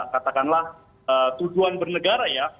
katakanlah tujuan bernegara ya